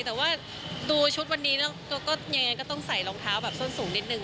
แต่ว่าดูชุดวันนี้แล้วก็ยังไงก็ต้องใส่รองเท้าแบบส้นสูงนิดนึง